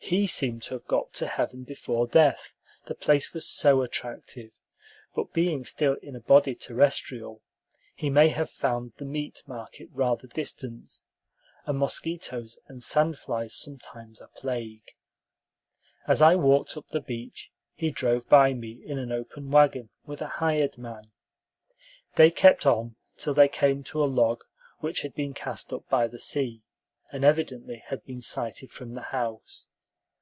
He seemed to have got to heaven before death, the place was so attractive; but being still in a body terrestrial, he may have found the meat market rather distant, and mosquitoes and sand flies sometimes a plague. As I walked up the beach, he drove by me in an open wagon with a hired man. They kept on till they came to a log which had been cast up by the sea, and evidently had been sighted from the house.